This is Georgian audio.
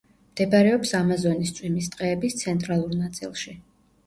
მდებარეობს ამაზონის წვიმის ტყეების ცენტრალურ ნაწილში.